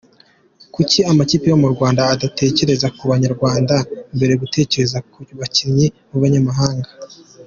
Kuki amakipe yo mu Rwanda adatekereza ku Banyarwanda mbere yo gutekereza ku bakinnyi babanyamahanga ?.